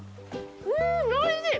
うんおいしい！